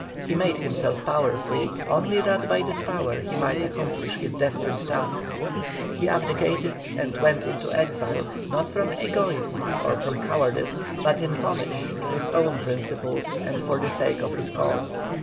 He made himself powerful, only that by this power he might accomplish his destined task; he abdicated and went into exile, not from egoism or from cowardice, but in homage to his own principles and for the sake of his cause.